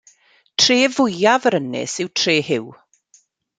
Tref fwyaf yr ynys yw Tre Huw.